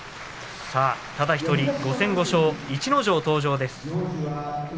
ただ１人、５戦５勝の逸ノ城が登場です。